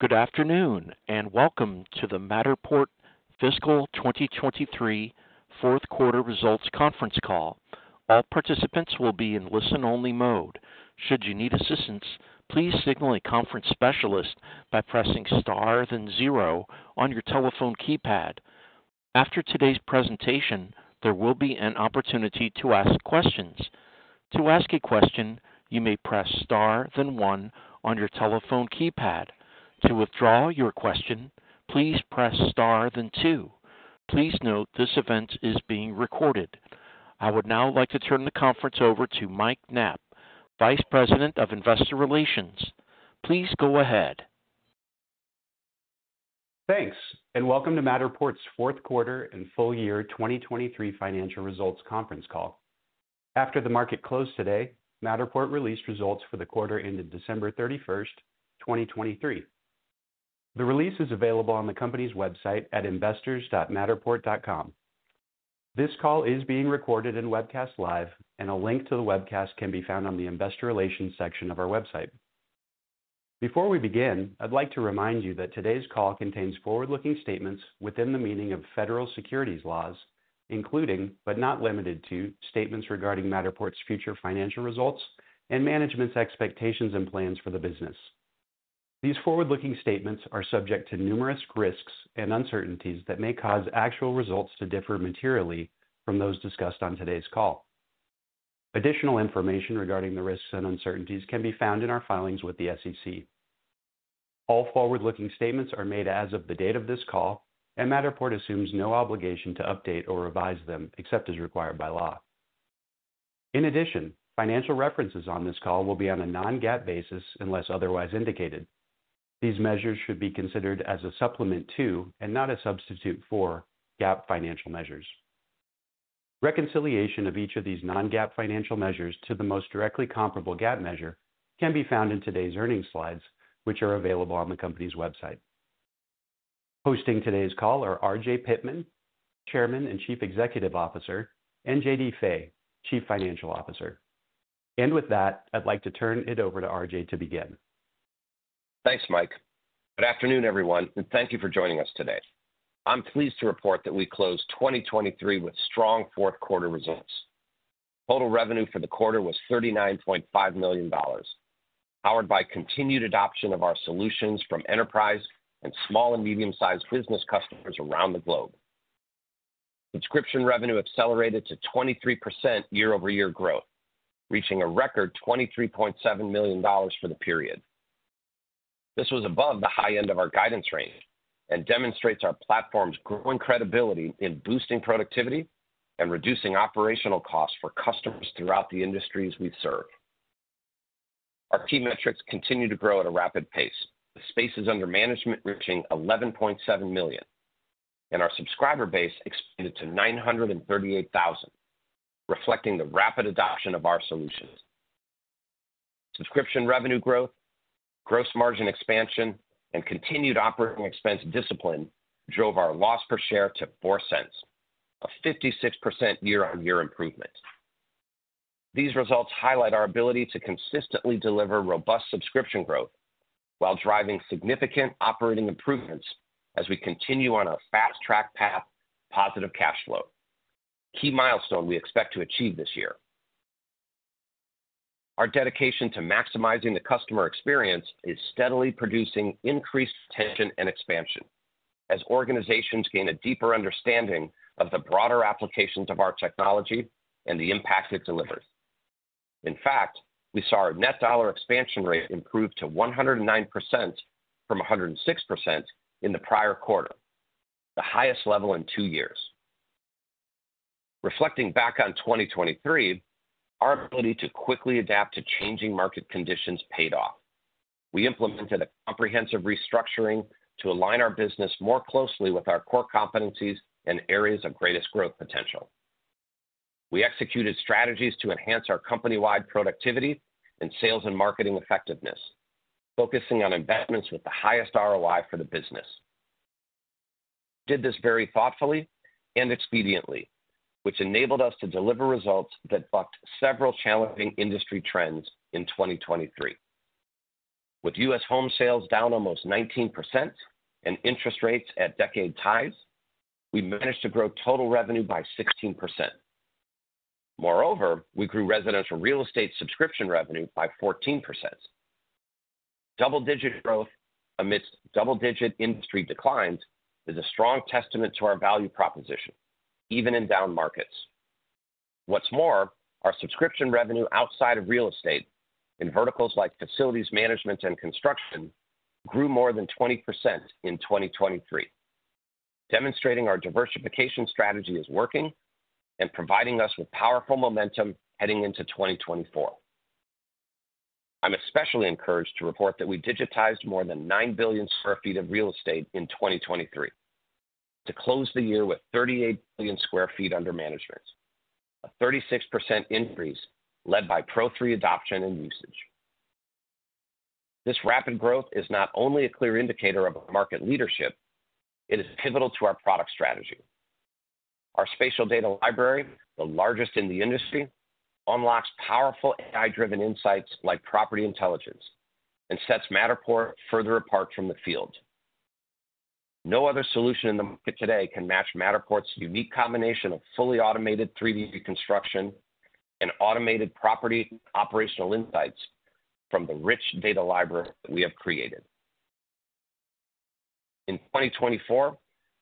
Good afternoon and welcome to the Matterport Fiscal 2023 Q4 Results Conference Call. All participants will be in listen-only mode. Should you need assistance, please signal a conference specialist by pressing star then zero on your telephone keypad. After today's presentation, there will be an opportunity to ask questions. To ask a question, you may press star then one on your telephone keypad. To withdraw your question, please press star then two. Please note this event is being recorded. I would now like to turn the conference over to Mike Knapp, Vice President of Investor Relations. Please go ahead. Thanks and welcome to Matterport's Q4 and Full Year 2023 Financial Results conference call. After the market closed today, Matterport released results for the quarter ended December 31st, 2023. The release is available on the company's website at investors.matterport.com. This call is being recorded and webcast live, and a link to the webcast can be found on the Investor Relations section of our website. Before we begin, I'd like to remind you that today's call contains forward-looking statements within the meaning of federal securities laws, including but not limited to statements regarding Matterport's future financial results and management's expectations and plans for the business. These forward-looking statements are subject to numerous risks and uncertainties that may cause actual results to differ materially from those discussed on today's call. Additional information regarding the risks and uncertainties can be found in our filings with the SEC. All forward-looking statements are made as of the date of this call, and Matterport assumes no obligation to update or revise them except as required by law. In addition, financial references on this call will be on a non-GAAP basis unless otherwise indicated. These measures should be considered as a supplement to and not a substitute for GAAP financial measures. Reconciliation of each of these non-GAAP financial measures to the most directly comparable GAAP measure can be found in today's earnings slides, which are available on the company's website. Hosting today's call are RJ Pittman, Chairman and Chief Executive Officer, and J.D. Fay, Chief Financial Officer. With that, I'd like to turn it over to RJ to begin. Thanks, Mike. Good afternoon, everyone, and thank you for joining us today. I'm pleased to report that we closed 2023 with strong Q4 results. Total revenue for the quarter was $39.5 million, powered by continued adoption of our solutions from enterprise and Small and Medium-Sized Business customers around the globe. Subscription revenue accelerated to 23% year-over-year growth, reaching a record $23.7 million for the period. This was above the high end of our guidance range and demonstrates our platform's growing credibility in boosting productivity and reducing operational costs for customers throughout the industries we serve. Our key metrics continue to grow at a rapid pace, with Spaces Under Management reaching 11.7 million and our subscriber base expanded to 938,000, reflecting the rapid adoption of our solutions. Subscription revenue growth, gross margin expansion, and continued operating expense discipline drove our loss per share to $0.04, a 56% year-on-year improvement. These results highlight our ability to consistently deliver robust subscription growth while driving significant operating improvements as we continue on our fast-track path to positive cash flow, a key milestone we expect to achieve this year. Our dedication to maximizing the customer experience is steadily producing increased retention and expansion as organizations gain a deeper understanding of the broader applications of our technology and the impact it delivers. In fact, we saw our Net Dollar Expansion Rate improve to 109% from 106% in the prior quarter, the highest level in two years. Reflecting back on 2023, our ability to quickly adapt to changing market conditions paid off. We implemented a comprehensive restructuring to align our business more closely with our core competencies and areas of greatest growth potential. We executed strategies to enhance our company-wide productivity and sales and marketing effectiveness, focusing on investments with the highest ROI for the business. We did this very thoughtfully and expediently, which enabled us to deliver results that bucked several challenging industry trends in 2023. With U.S. home sales down almost 19% and interest rates at decade highs, we managed to grow total revenue by 16%. Moreover, we grew residential real estate subscription revenue by 14%. Double-digit growth amidst double-digit industry declines is a strong testament to our value proposition, even in down markets. What's more, our subscription revenue outside of real estate in verticals like facilities management and construction grew more than 20% in 2023, demonstrating our diversification strategy is working and providing us with powerful momentum heading into 2024. I'm especially encouraged to report that we digitized more than 9 billion sq ft of real estate in 2023 to close the year with 38 billion sq ft under management, a 36% increase led by Pro3 adoption and usage. This rapid growth is not only a clear indicator of market leadership. It is pivotal to our product strategy. Our spatial data library, the largest in the industry, unlocks powerful AI-driven insights like Property Intelligence and sets Matterport further apart from the field. No other solution in the market today can match Matterport's unique combination of fully automated 3D reconstruction and automated property operational insights from the rich data library that we have created. In 2024,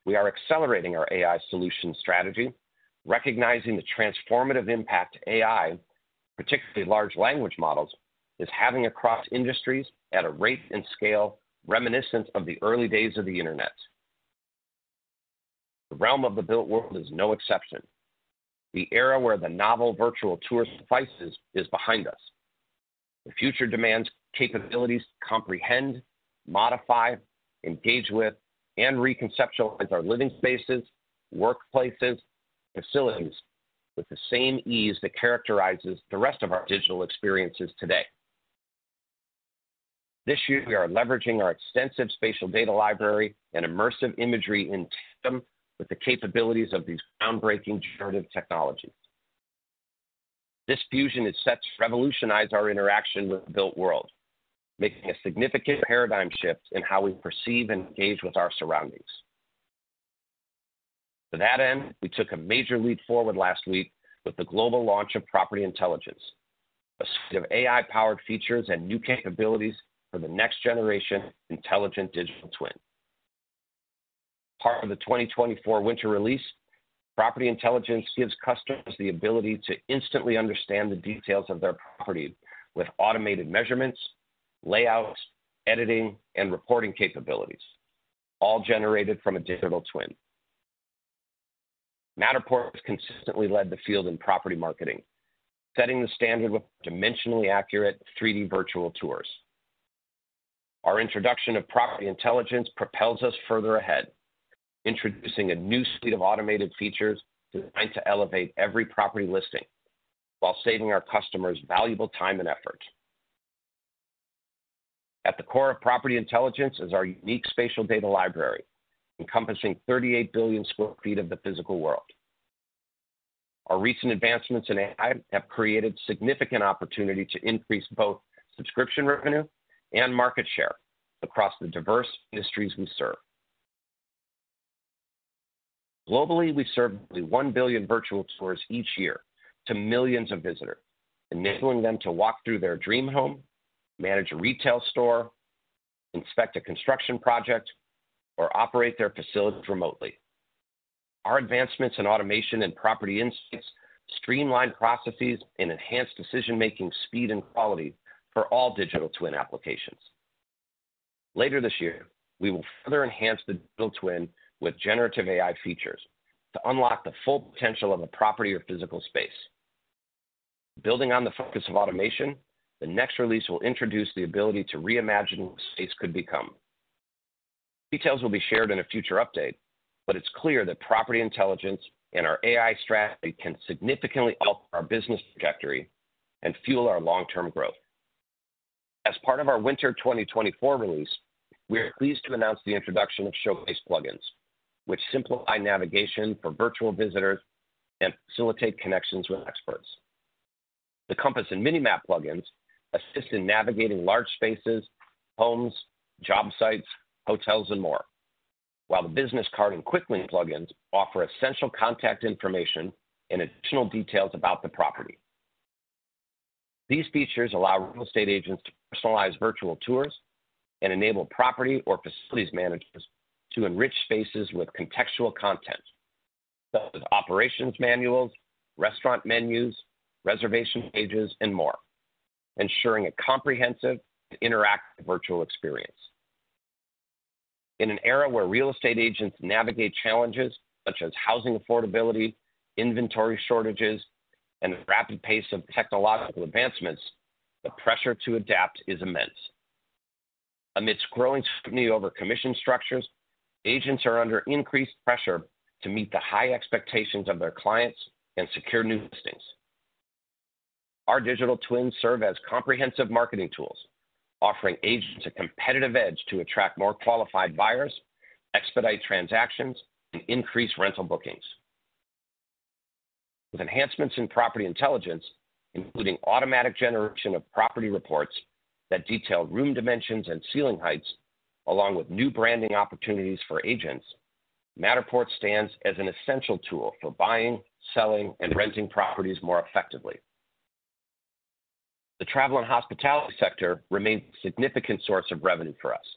we are accelerating our AI solution strategy, recognizing the transformative impact AI, particularly Large Language Models, is having across industries at a rate and scale reminiscent of the early days of the internet. The realm of the built world is no exception. The era where the novel virtual tour suffices is behind us. The future demands capabilities to comprehend, modify, engage with, and reconceptualize our living spaces, workplaces, facilities with the same ease that characterizes the rest of our digital experiences today. This year, we are leveraging our extensive spatial data library and immersive imagery in tandem with the capabilities of these groundbreaking generative technologies. This fusion sets to revolutionize our interaction with the built world, making a significant paradigm shift in how we perceive and engage with our surroundings. To that end, we took a major leap forward last week with the global launch of Property Intelligence, a suite of AI-powered features and new capabilities for the next-generation intelligent Digital Twin. As part of the Winter 2024 Release, Property Intelligence gives customers the ability to instantly understand the details of their property with automated measurements, layouts, editing, and reporting capabilities, all generated from a Digital Twin. Matterport has consistently led the field in property marketing, setting the standard with dimensionally accurate 3D Virtual Tours. Our introduction of Property Intelligence propels us further ahead, introducing a new suite of automated features designed to elevate every property listing while saving our customers valuable time and effort. At the core of Property Intelligence is our unique spatial data library, encompassing 38 billion sq ft of the physical world. Our recent advancements in AI have created significant opportunity to increase both subscription revenue and market share across the diverse industries we serve. Globally, we serve nearly 1 billion Virtual Tours each year to millions of visitors, enabling them to walk through their dream home, manage a retail store, inspect a construction project, or operate their facilities remotely. Our advancements in automation and property insights streamline processes and enhance decision-making speed and quality for all Digital Twin applications. Later this year, we will further enhance the Digital Twin with Generative AI features to unlock the full potential of a property or physical space. Building on the focus of automation, the next release will introduce the ability to reimagine what space could become. Details will be shared in a future update, but it's clear that Property Intelligence and our AI strategy can significantly alter our business trajectory and fuel our long-term growth. As part of our Winter 2024 Release, we are pleased to announce the introduction of Showcase plugins, which simplify navigation for virtual visitors and facilitate connections with experts. The Compass and Minimap plugins assist in navigating large spaces, homes, job sites, hotels, and more, while the Business Card and Quick Link plugins offer essential contact information and additional details about the property. These features allow real estate agents to personalize virtual tours and enable property or facilities managers to enrich spaces with contextual content, such as operations manuals, restaurant menus, reservation pages, and more, ensuring a comprehensive and interactive virtual experience. In an era where real estate agents navigate challenges such as housing affordability, inventory shortages, and the rapid pace of technological advancements, the pressure to adapt is immense. Amidst growing scrutiny over commission structures, agents are under increased pressure to meet the high expectations of their clients and secure new listings. Our digital twins serve as comprehensive marketing tools, offering agents a competitive edge to attract more qualified buyers, expedite transactions, and increase rental bookings. With enhancements in property intelligence, including automatic generation of property reports that detail room dimensions and ceiling heights, along with new branding opportunities for agents, Matterport stands as an essential tool for buying, selling, and renting properties more effectively. The travel and hospitality sector remains a significant source of revenue for us,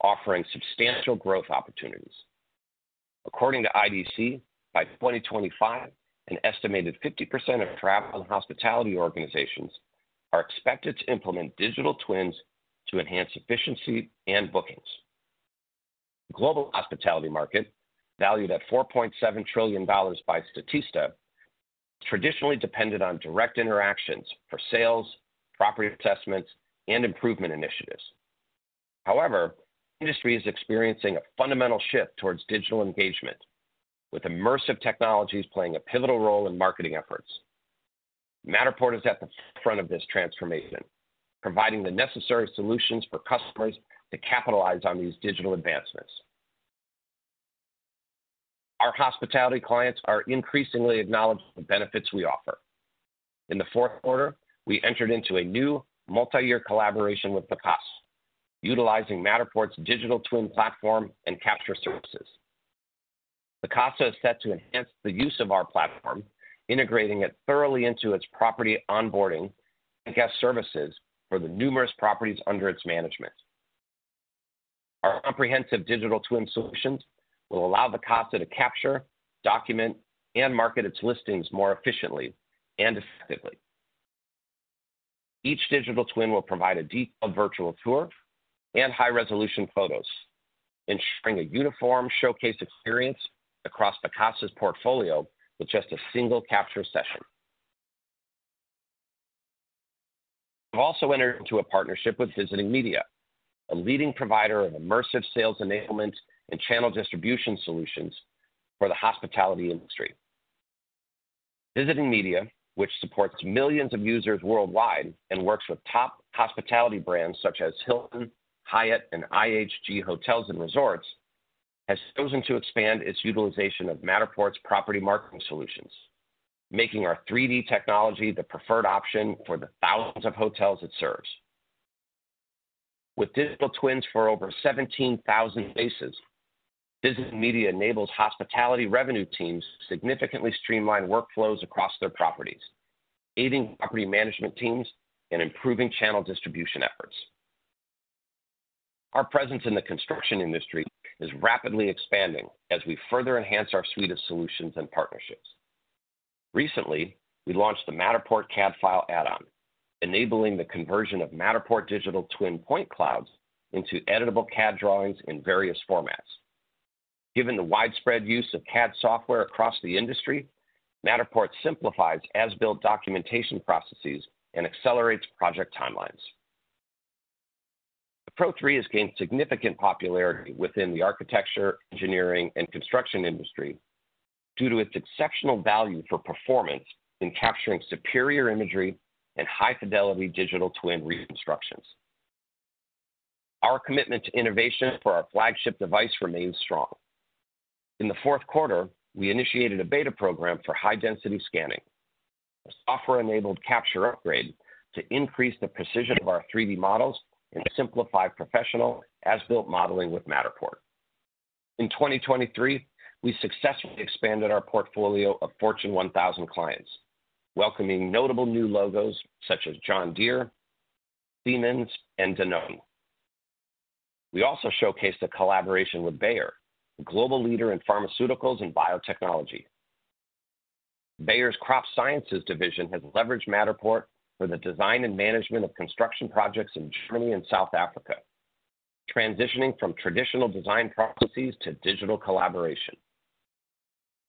offering substantial growth opportunities. According to IDC, by 2025, an estimated 50% of travel and hospitality organizations are expected to implement digital twins to enhance efficiency and bookings. The global hospitality market, valued at $4.7 trillion by Statista, has traditionally depended on direct interactions for sales, property assessments, and improvement initiatives. However, the industry is experiencing a fundamental shift towards digital engagement, with immersive technologies playing a pivotal role in marketing efforts. Matterport is at the forefront of this transformation, providing the necessary solutions for customers to capitalize on these digital advancements. Our hospitality clients are increasingly acknowledging the benefits we offer. In the Q4, we entered into a new multi-year collaboration with Pacaso, utilizing Matterport's digital twin platform and capture services. Pacaso is set to enhance the use of our platform, integrating it thoroughly into its property onboarding and guest services for the numerous properties under its management. Our comprehensive digital twin solutions will allow Pacaso to capture, document, and market its listings more efficiently and effectively. Each digital twin will provide a detailed virtual tour and high-resolution photos, ensuring a uniform showcase experience across Pacaso's portfolio with just a single capture session. We've also entered into a partnership with Visiting Media, a leading provider of immersive sales enablement and channel distribution solutions for the hospitality industry. Visiting Media, which supports millions of users worldwide and works with top hospitality brands such as Hilton, Hyatt, and IHG Hotels & Resorts, has chosen to expand its utilization of Matterport's property marketing solutions, making our 3D technology the preferred option for the thousands of hotels it serves. With digital twins for over 17,000 spaces, Visiting Media enables hospitality revenue teams to significantly streamline workflows across their properties, aiding property management teams in improving channel distribution efforts. Our presence in the construction industry is rapidly expanding as we further enhance our suite of solutions and partnerships. Recently, we launched the Matterport CAD file add-on, enabling the conversion of Matterport digital twin point clouds into editable CAD drawings in various formats. Given the widespread use of CAD software across the industry, Matterport simplifies as-built documentation processes and accelerates project timelines. The Pro3 has gained significant popularity within the architecture, engineering, and construction industry due to its exceptional value for performance in capturing superior imagery and high-fidelity Digital Twin reconstructions. Our commitment to innovation for our flagship device remains strong. In the Q4, we initiated a beta program for high-density scanning, a software-enabled capture upgrade to increase the precision of our 3D models and simplify professional as-built modeling with Matterport. In 2023, we successfully expanded our portfolio of Fortune 1000 clients, welcoming notable new logos such as John Deere, Siemens, and Danone. We also showcased a collaboration with Bayer, a global leader in pharmaceuticals and biotechnology. Bayer's crop sciences division has leveraged Matterport for the design and management of construction projects in Germany and South Africa, transitioning from traditional design processes to digital collaboration.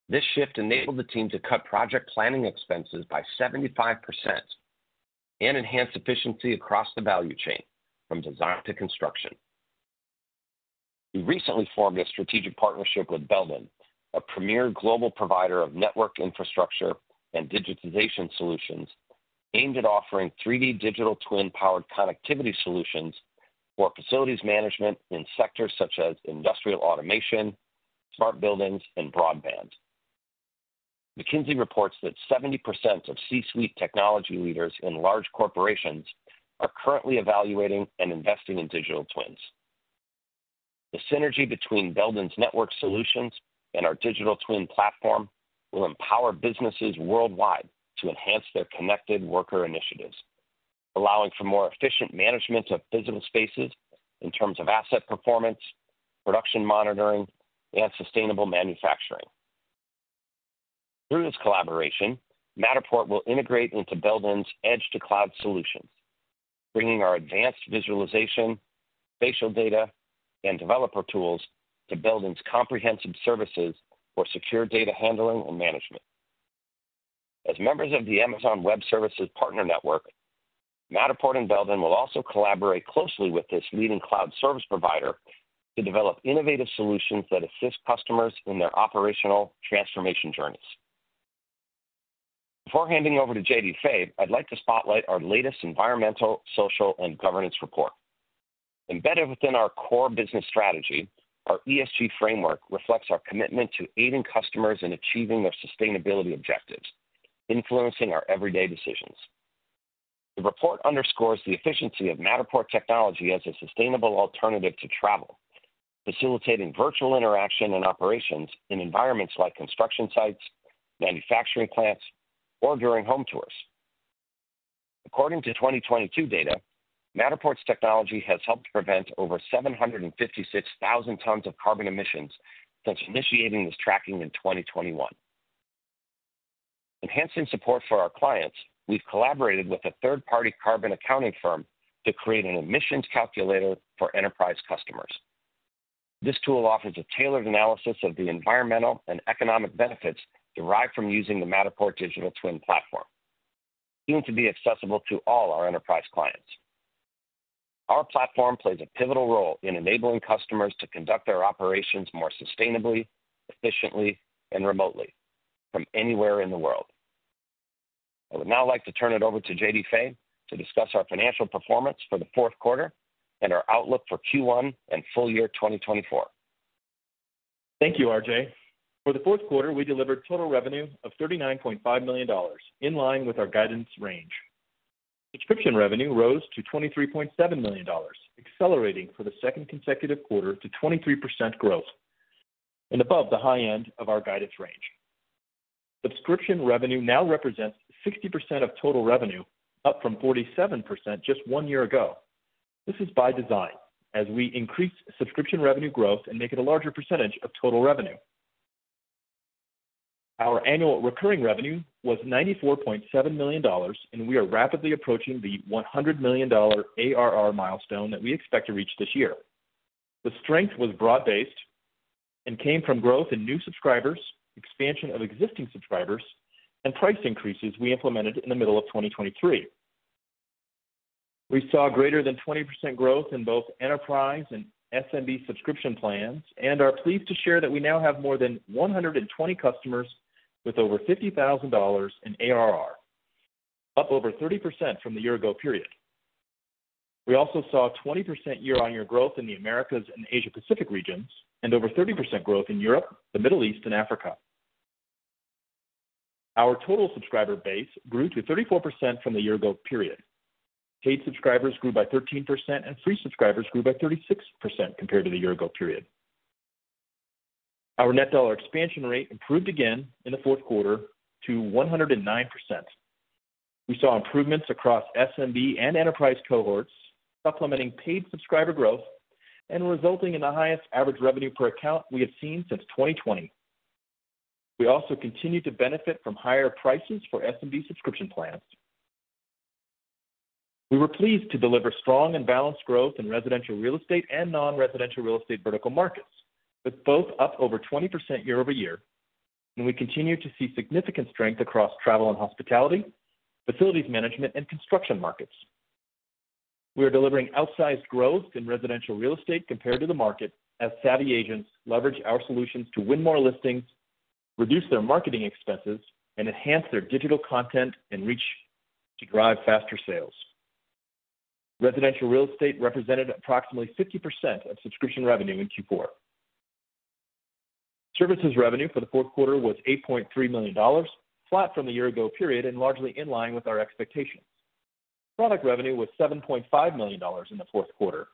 This shift enabled the team to cut project planning expenses by 75% and enhance efficiency across the value chain from design to construction. We recently formed a strategic partnership with Belden, a premier global provider of network infrastructure and digitization solutions aimed at offering 3D digital twin-powered connectivity solutions for facilities management in sectors such as industrial automation, smart buildings, and broadband. McKinsey reports that 70% of C-suite technology leaders in large corporations are currently evaluating and investing in digital twins. The synergy between Belden's network solutions and our digital twin platform will empower businesses worldwide to enhance their connected worker initiatives, allowing for more efficient management of physical spaces in terms of asset performance, production monitoring, and sustainable manufacturing. Through this collaboration, Matterport will integrate into Belden's edge-to-cloud solutions, bringing our advanced visualization, spatial data, and developer tools to Belden's comprehensive services for secure data handling and management. As members of the Amazon Web Services Partner Network, Matterport and Belden will also collaborate closely with this leading cloud service provider to develop innovative solutions that assist customers in their operational transformation journeys. Before handing over to J.D. Fay, I'd like to spotlight our latest environmental, social, and governance report. Embedded within our core business strategy, our ESG framework reflects our commitment to aiding customers in achieving their sustainability objectives, influencing our everyday decisions. The report underscores the efficiency of Matterport technology as a sustainable alternative to travel, facilitating virtual interaction and operations in environments like construction sites, manufacturing plants, or during home tours. According to 2022 data, Matterport's technology has helped prevent over 756,000 tons of carbon emissions since initiating this tracking in 2021. Enhancing support for our clients, we've collaborated with a third-party carbon accounting firm to create an emissions calculator for enterprise customers. This tool offers a tailored analysis of the environmental and economic benefits derived from using the Matterport digital twin platform, aimed to be accessible to all our enterprise clients. Our platform plays a pivotal role in enabling customers to conduct their operations more sustainably, efficiently, and remotely from anywhere in the world. I would now like to turn it over to J.D. Fay to discuss our financial performance for the Q4 and our outlook for Q1 and full year 2024. Thank you, RJ. For the Q4, we delivered total revenue of $39.5 million, in line with our guidance range. Subscription revenue rose to $23.7 million, accelerating for the second consecutive quarter to 23% growth, and above the high end of our guidance range. Subscription revenue now represents 60% of total revenue, up from 47% just one year ago. This is by design, as we increase subscription revenue growth and make it a larger percentage of total revenue. Our annual recurring revenue was $94.7 million, and we are rapidly approaching the $100 million ARR milestone that we expect to reach this year. The strength was broad-based and came from growth in new subscribers, expansion of existing subscribers, and price increases we implemented in the middle of 2023. We saw greater than 20% growth in both enterprise and SMB subscription plans, and are pleased to share that we now have more than 120 customers with over $50,000 in ARR, up over 30% from the year-ago period. We also saw 20% year-on-year growth in the Americas and Asia-Pacific regions, and over 30% growth in Europe, the Middle East, and Africa. Our total subscriber base grew to 34% from the year-ago period. Paid subscribers grew by 13%, and free subscribers grew by 36% compared to the year-ago period. Our net dollar expansion rate improved again in the Q4 to 109%. We saw improvements across SMB and enterprise cohorts, supplementing paid subscriber growth and resulting in the highest average revenue per account we have seen since 2020. We also continue to benefit from higher prices for SMB subscription plans. We were pleased to deliver strong and balanced growth in residential real estate and non-residential real estate vertical markets, with both up over 20% year-over-year, and we continue to see significant strength across travel and hospitality, facilities management, and construction markets. We are delivering outsized growth in residential real estate compared to the market as savvy agents leverage our solutions to win more listings, reduce their marketing expenses, and enhance their digital content and reach to drive faster sales. Residential real estate represented approximately 50% of subscription revenue in Q4. Services revenue for the Q4 was $8.3 million, flat from the year-ago period and largely in line with our expectations. Product revenue was $7.5 million in the Q4.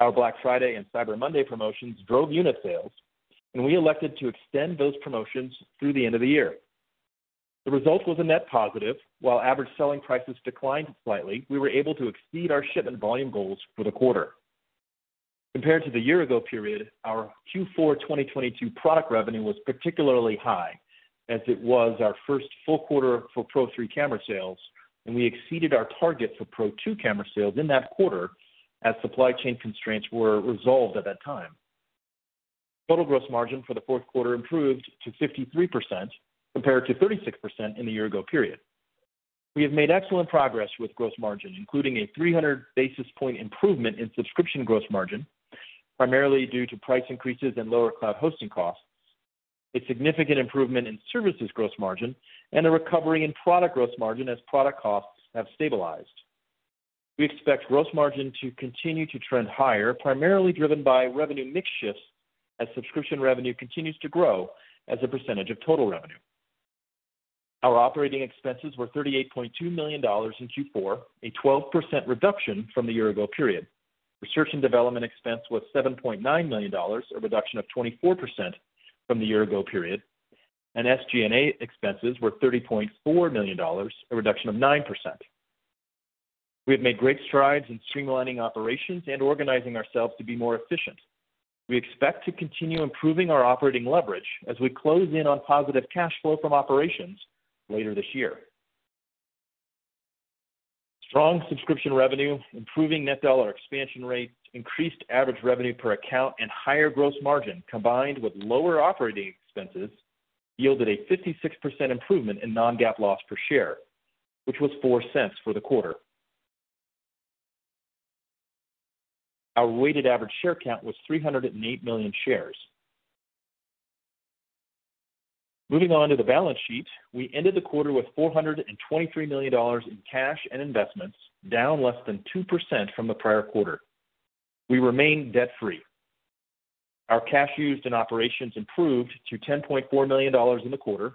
Our Black Friday and Cyber Monday promotions drove unit sales, and we elected to extend those promotions through the end of the year. The result was a net positive. While average selling prices declined slightly, we were able to exceed our shipment volume goals for the quarter. Compared to the year-ago period, our Q4 2022 product revenue was particularly high, as it was our first full quarter for Pro3 camera sales, and we exceeded our target for Pro2 camera sales in that quarter as supply chain constraints were resolved at that time. Total gross margin for the Q4 improved to 53% compared to 36% in the year-ago period. We have made excellent progress with gross margin, including a 300 basis point improvement in subscription gross margin, primarily due to price increases and lower cloud hosting costs, a significant improvement in services gross margin, and a recovery in product gross margin as product costs have stabilized. We expect gross margin to continue to trend higher, primarily driven by revenue mix shifts as subscription revenue continues to grow as a percentage of total revenue. Our operating expenses were $38.2 million in Q4, a 12% reduction from the year-ago period. Research and development expense was $7.9 million, a reduction of 24% from the year-ago period, and SG&A expenses were $30.4 million, a reduction of 9%. We have made great strides in streamlining operations and organizing ourselves to be more efficient. We expect to continue improving our operating leverage as we close in on positive cash flow from operations later this year. Strong subscription revenue, improving net dollar expansion rate, increased average revenue per account, and higher gross margin combined with lower operating expenses yielded a 56% improvement in non-GAAP loss per share, which was $0.04 for the quarter. Our weighted average share count was 308 million shares. Moving on to the balance sheet, we ended the quarter with $423 million in cash and investments, down less than 2% from the prior quarter. We remain debt-free. Our cash used in operations improved to $10.4 million in the quarter,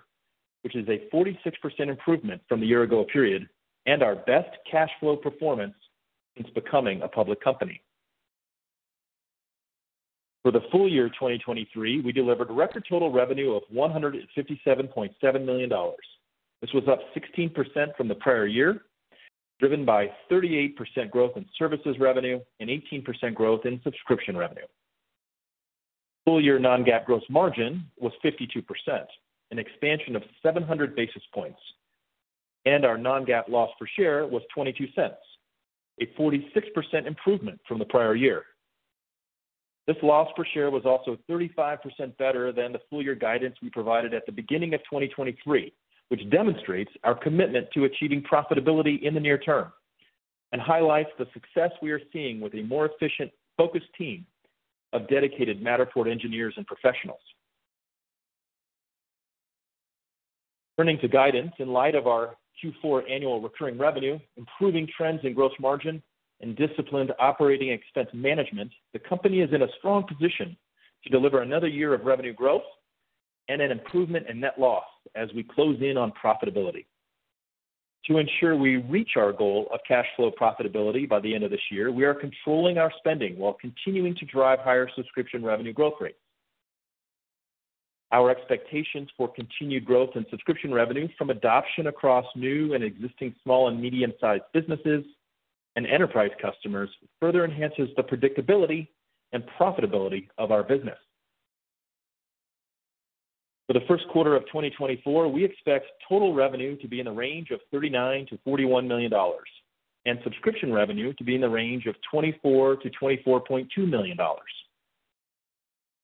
which is a 46% improvement from the year-ago period and our best cash flow performance since becoming a public company. For the full year 2023, we delivered record total revenue of $157.7 million. This was up 16% from the prior year, driven by 38% growth in services revenue and 18% growth in subscription revenue. Full year non-GAAP gross margin was 52%, an expansion of 700 basis points, and our non-GAAP loss per share was $0.22, a 46% improvement from the prior year. This loss per share was also 35% better than the full year guidance we provided at the beginning of 2023, which demonstrates our commitment to achieving profitability in the near term and highlights the success we are seeing with a more efficient, focused team of dedicated Matterport engineers and professionals. Turning to guidance, in light of our Q4 annual recurring revenue, improving trends in gross margin, and disciplined operating expense management, the company is in a strong position to deliver another year of revenue growth and an improvement in net loss as we close in on profitability. To ensure we reach our goal of cash flow profitability by the end of this year, we are controlling our spending while continuing to drive higher subscription revenue growth rates. Our expectations for continued growth in subscription revenue from adoption across new and existing small and medium-sized businesses and enterprise customers further enhances the predictability and profitability of our business. For the Q1 of 2024, we expect total revenue to be in the range of $39 million-$41 million and subscription revenue to be in the range of $24 million-$24.2 million.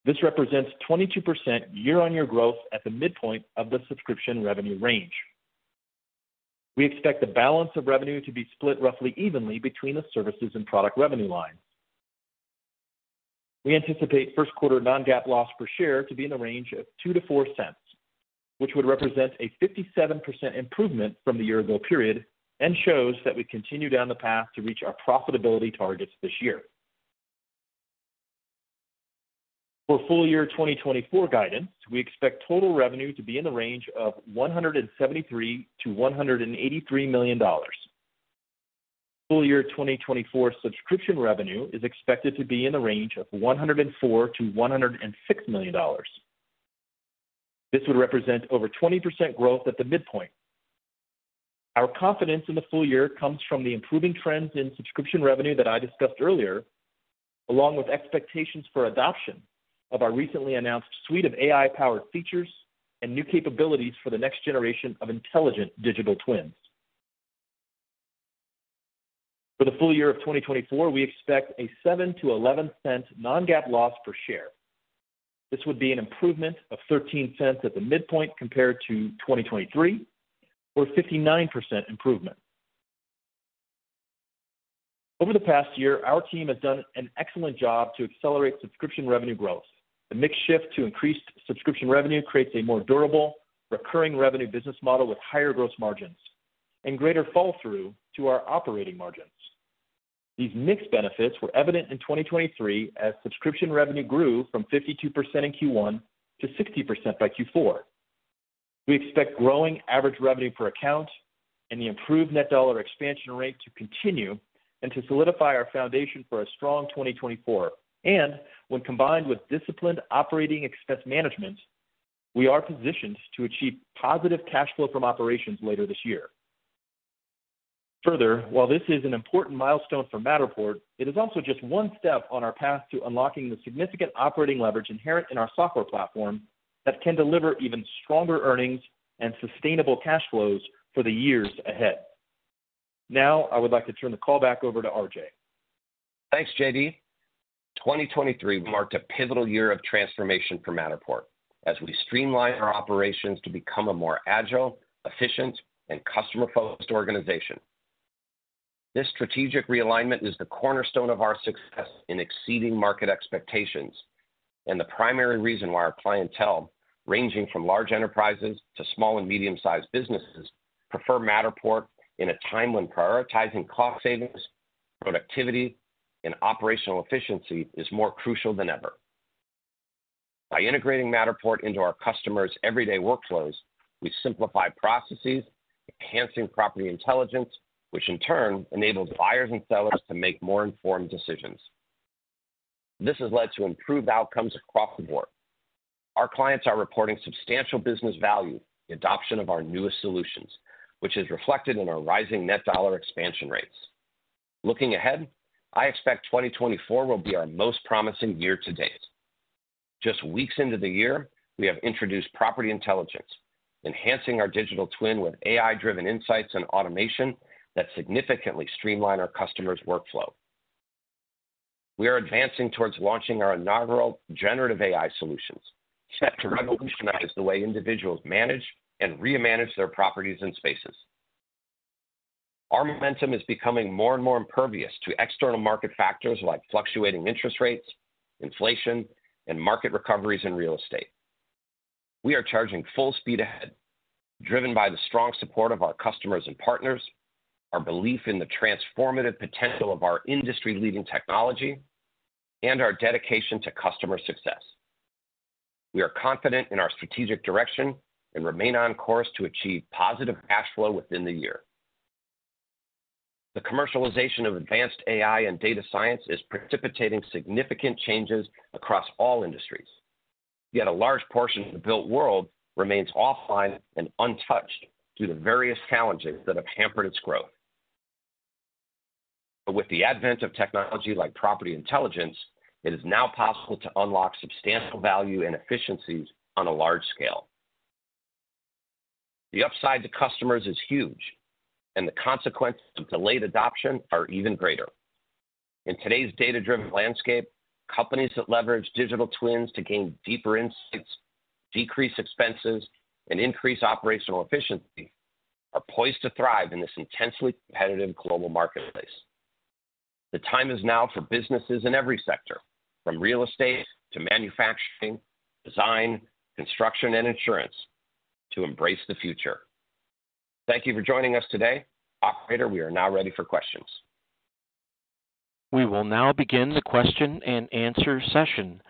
This represents 22% year-on-year growth at the midpoint of the subscription revenue range. We expect the balance of revenue to be split roughly evenly between the services and product revenue lines. We anticipate Q1 non-GAAP loss per share to be in the range of $0.02-$0.04, which would represent a 57% improvement from the year-ago period and shows that we continue down the path to reach our profitability targets this year. For full year 2024 guidance, we expect total revenue to be in the range of $173 million-$183 million. Full year 2024 subscription revenue is expected to be in the range of $104 million-$106 million. This would represent over 20% growth at the midpoint. Our confidence in the full year comes from the improving trends in subscription revenue that I discussed earlier, along with expectations for adoption of our recently announced suite of AI-powered features and new capabilities for the next generation of intelligent digital twins. For the full year of 2024, we expect a $0.07-$0.11 non-GAAP loss per share. This would be an improvement of $0.13 at the midpoint compared to 2023, or a 59% improvement. Over the past year, our team has done an excellent job to accelerate subscription revenue growth. The mix shift to increased subscription revenue creates a more durable recurring revenue business model with higher gross margins and greater fall-through to our operating margins. These mixed benefits were evident in 2023 as subscription revenue grew from 52% in Q1 to 60% by Q4. We expect growing average revenue per account and the improved net dollar expansion rate to continue and to solidify our foundation for a strong 2024. When combined with disciplined operating expense management, we are positioned to achieve positive cash flow from operations later this year. Further, while this is an important milestone for Matterport, it is also just one step on our path to unlocking the significant operating leverage inherent in our software platform that can deliver even stronger earnings and sustainable cash flows for the years ahead. Now, I would like to turn the call back over to RJ. Thanks, J.D.. 2023 marked a pivotal year of transformation for Matterport as we streamline our operations to become a more agile, efficient, and customer-focused organization. This strategic realignment is the cornerstone of our success in exceeding market expectations and the primary reason why our clientele, ranging from large enterprises to small and medium-sized businesses, prefer Matterport in a time when prioritizing cost savings, productivity, and operational efficiency is more crucial than ever. By integrating Matterport into our customers' everyday workflows, we simplify processes, enhancing Property Intelligence, which in turn enables buyers and sellers to make more informed decisions. This has led to improved outcomes across the board. Our clients are reporting substantial business value in the adoption of our newest solutions, which is reflected in our rising Net Dollar Expansion Rates. Looking ahead, I expect 2024 will be our most promising year-to-date. Just weeks into the year, we have introduced Property Intelligence, enhancing our Digital Twin with AI-driven insights and automation that significantly streamline our customers' workflow. We are advancing towards launching our inaugural Generative AI solutions set to revolutionize the way individuals manage and remanage their properties and spaces. Our momentum is becoming more and more impervious to external market factors like fluctuating interest rates, inflation, and market recoveries in real estate. We are charging full speed ahead, driven by the strong support of our customers and partners, our belief in the transformative potential of our industry-leading technology, and our dedication to customer success. We are confident in our strategic direction and remain on course to achieve positive cash flow within the year. The commercialization of advanced AI and data science is precipitating significant changes across all industries, yet a large portion of the built world remains offline and untouched due to various challenges that have hampered its growth. With the advent of technology like Property Intelligence, it is now possible to unlock substantial value and efficiencies on a large scale. The upside to customers is huge, and the consequences of delayed adoption are even greater. In today's data-driven landscape, companies that leverage Digital Twins to gain deeper insights, decrease expenses, and increase operational efficiency are poised to thrive in this intensely competitive global marketplace. The time is now for businesses in every sector, from real estate to manufacturing, design, construction, and insurance, to embrace the future. Thank you for joining us today. Operator, we are now ready for questions. We will now begin the question and answer session.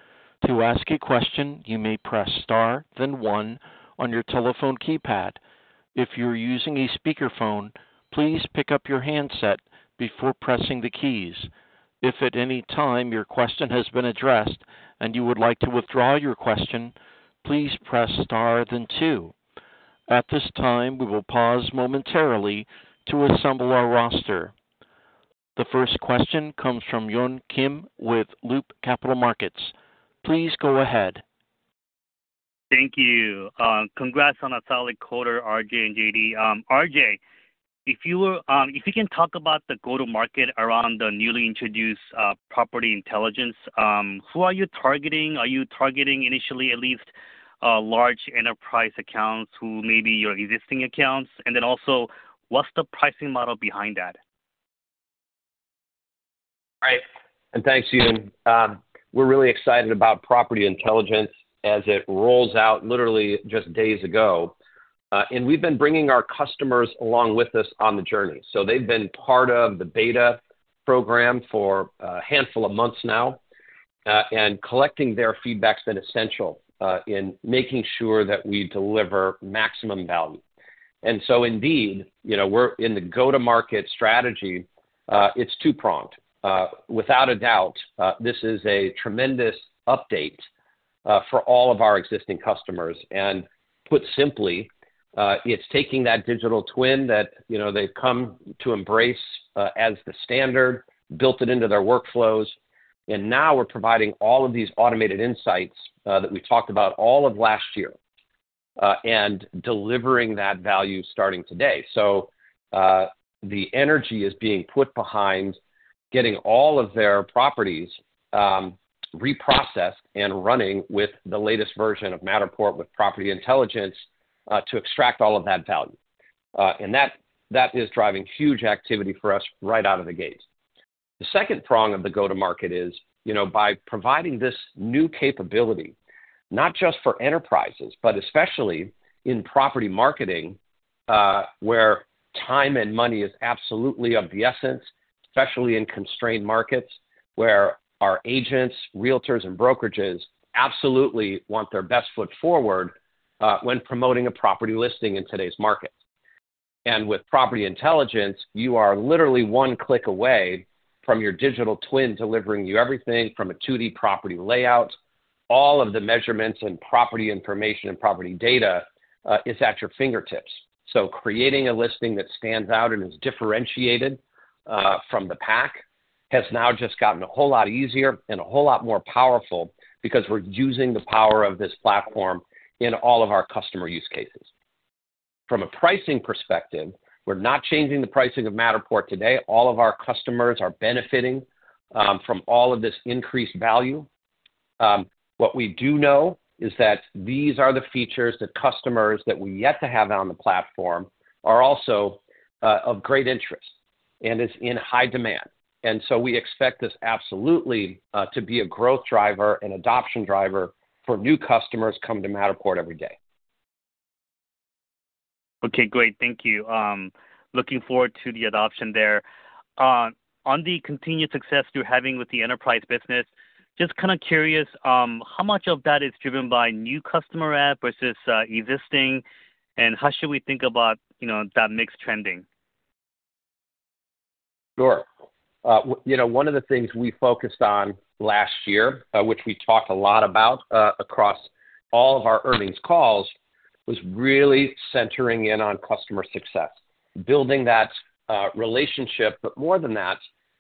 To ask a question, you may press star, then one on your telephone keypad. If you're using a speakerphone, please pick up your handset before pressing the keys. If at any time your question has been addressed and you would like to withdraw your question, please press star, then two. At this time, we will pause momentarily to assemble our roster. The first question comes from Yun Kim with Loop Capital Markets. Please go ahead. Thank you. Congrats on a solid quarter, RJ and J.D.. RJ, if you can talk about the go-to-market around the newly introduced Property Intelligence, who are you targeting? Are you targeting initially, at least, large enterprise accounts who may be your existing accounts? And then also, what's the pricing model behind that? All right. And thanks, Yun. We're really excited about Property Intelligence as it rolls out literally just days ago. And we've been bringing our customers along with us on the journey. So they've been part of the beta program for a handful of months now, and collecting their feedback has been essential in making sure that we deliver maximum value. And so indeed, we're in the go-to-market strategy. It's two-pronged. Without a doubt, this is a tremendous update for all of our existing customers. And put simply, it's taking that Digital Twin that they've come to embrace as the standard, built it into their workflows, and now we're providing all of these automated insights that we talked about all of last year and delivering that value starting today. So the energy is being put behind getting all of their properties reprocessed and running with the latest version of Matterport with Property Intelligence to extract all of that value. And that is driving huge activity for us right out of the gate. The second prong of the go-to-market is by providing this new capability, not just for enterprises, but especially in property marketing where time and money is absolutely of the essence, especially in constrained markets where our agents, realtors, and brokerages absolutely want their best foot forward when promoting a property listing in today's market. And with Property Intelligence, you are literally one click away from your Digital Twin delivering you everything from a 2D property layout. All of the measurements and property information and property data is at your fingertips. So creating a listing that stands out and is differentiated from the pack has now just gotten a whole lot easier and a whole lot more powerful because we're using the power of this platform in all of our customer use cases. From a pricing perspective, we're not changing the pricing of Matterport today. All of our customers are benefiting from all of this increased value. What we do know is that these are the features that customers that we yet to have on the platform are also of great interest and is in high demand. So we expect this absolutely to be a growth driver and adoption driver for new customers coming to Matterport every day. Okay, great. Thank you. Looking forward to the adoption there. On the continued success you're having with the enterprise business, just kind of curious how much of that is driven by new customer app versus existing, and how should we think about that mix trending? Sure. One of the things we focused on last year, which we talked a lot about across all of our earnings calls, was really centering in on customer success, building that relationship, but more than that,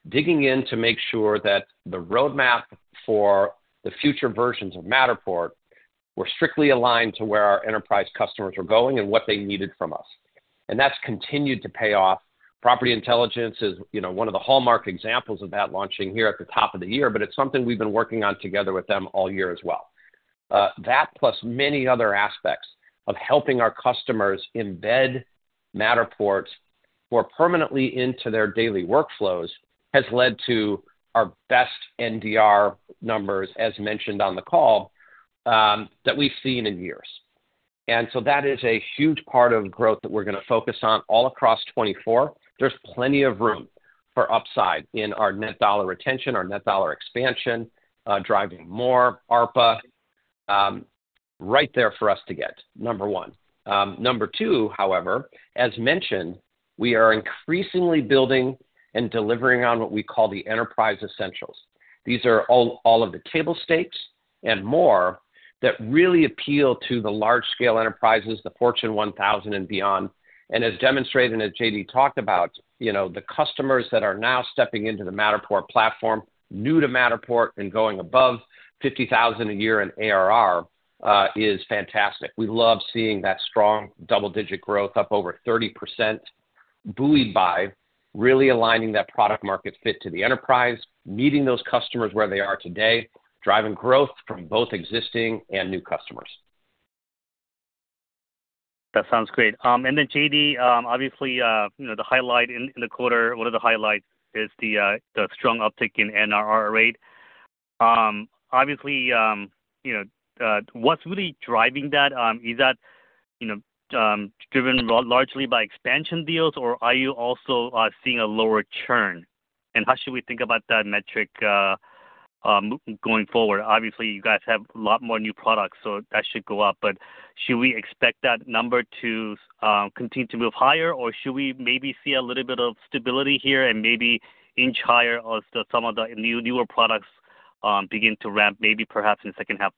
digging in to make sure that the roadmap for the future versions of Matterport were strictly aligned to where our enterprise customers were going and what they needed from us. And that's continued to pay off. Property Intelligence is one of the hallmark examples of that launching here at the top of the year, but it's something we've been working on together with them all year as well. That, plus many other aspects of helping our customers embed Matterport more permanently into their daily workflows, has led to our best NDR numbers, as mentioned on the call, that we've seen in years. So that is a huge part of growth that we're going to focus on all across 2024. There's plenty of room for upside in our net dollar retention, our net dollar expansion, driving more ARPA, right there for us to get, number one. Number two, however, as mentioned, we are increasingly building and delivering on what we call the enterprise essentials. These are all of the table stakes and more that really appeal to the large-scale enterprises, the Fortune 1000 and beyond. As demonstrated and as J.D. talked about, the customers that are now stepping into the Matterport platform, new to Matterport, and going above $50,000 a year in ARR is fantastic. We love seeing that strong double-digit growth up over 30%, buoyed by really aligning that product-market fit to the enterprise, meeting those customers where they are today, driving growth from both existing and new customers. That sounds great. And then J.D., obviously, the highlight in the quarter, one of the highlights, is the strong uptick in NRR rate. Obviously, what's really driving that? Is that driven largely by expansion deals, or are you also seeing a lower churn? And how should we think about that metric going forward? Obviously, you guys have a lot more new products, so that should go up. But should we expect that number to continue to move higher, or should we maybe see a little bit of stability here and maybe inch higher as some of the newer products begin to ramp, maybe perhaps in the second half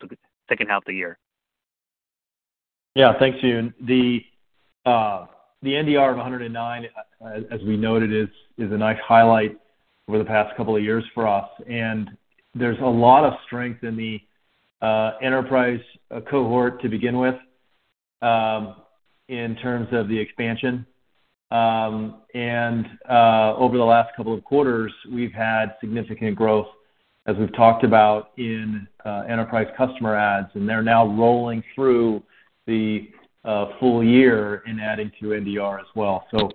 of the year? Yeah, thanks, Yoon. The NDR of 109, as we noted, is a nice highlight over the past couple of years for us. There's a lot of strength in the enterprise cohort to begin with in terms of the expansion. Over the last couple of quarters, we've had significant growth, as we've talked about, in enterprise customer adds. They're now rolling through the full year and adding to NDR as well. So